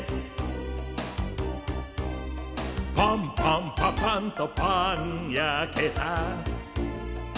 「パンパンパパンとパン焼けた」